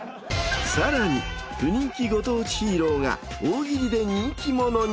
さらに不人気ご当地ヒーローが大喜利で人気者に。